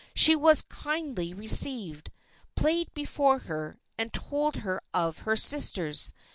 She was kindly received, played before her, and told her of her sisters.